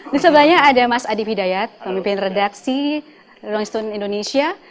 di sebelahnya ada mas adi hidayat pemimpin redaksi longstone indonesia